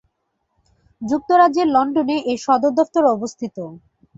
যুক্তরাজ্যের লন্ডনে এর সদর দফতর অবস্থিত।